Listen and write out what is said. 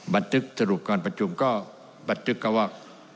บัตรึกสรุปการประชุมก็บัตรึกก็ว่า